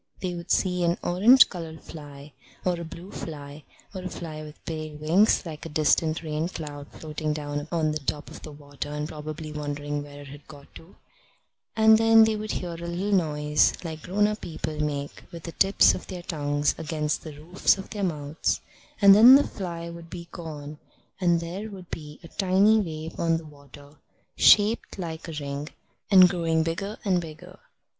They would see an orange coloured fly or a blue fly or a fly with pale wings like a distant rain cloud floating down on the top of the water and probably wondering where it had got to; and then they would hear a little noise like grown up people make with the tips of their tongues against the roofs of their mouths; and then the fly would be gone, and there would be a tiny wave on the water, shaped like a ring, and growing bigger and bigger.